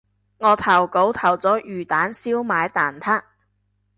我投稿投咗魚蛋燒賣蛋撻